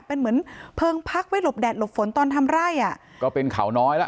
เป็นเหมือนเพลิงพักไว้หลบแดดหลบฝนตอนทำไร่อ่ะก็เป็นเขาน้อยแล้ว